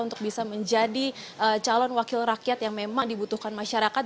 untuk bisa menjadi calon wakil rakyat yang memang dibutuhkan masyarakat